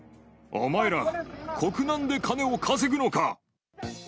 お前ら、国難で金を稼ぐのか！